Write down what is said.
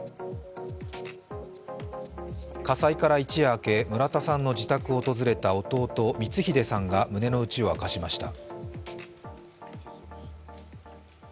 火災から一夜明け、村田さんの自宅を訪れた弟・光英さんが胸の内を明かしました。